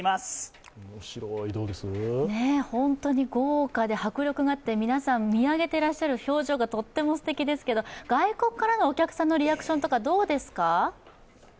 本当に豪華で迫力があって、皆さん見上げていらっしゃる表情がとってもすてきですけど外国からのお客さんのリアクションとか、どうですか？